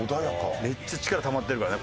めっちゃ力たまってるからね